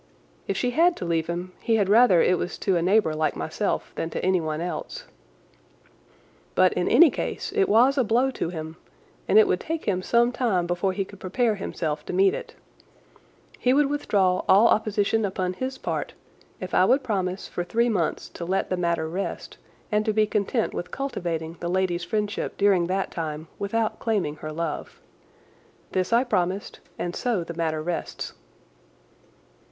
If she had to leave him he had rather it was to a neighbour like myself than to anyone else. But in any case it was a blow to him and it would take him some time before he could prepare himself to meet it. He would withdraw all opposition upon his part if I would promise for three months to let the matter rest and to be content with cultivating the lady's friendship during that time without claiming her love. This I promised, and so the matter rests."